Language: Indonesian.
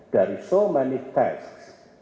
dari so many tasks